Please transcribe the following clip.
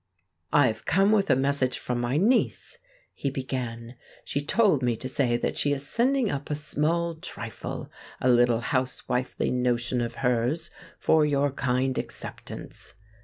"I have come with a message from my niece," he began. "She told me to say that she is sending up a small trifle—a little housewifely notion of hers—for your kind acceptance.